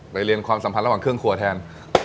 เรียนความสัมพันธ์ระหว่างเครื่องครัวแทน